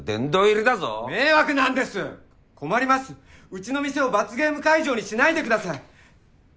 うちの店を罰ゲーム会場にしないでください。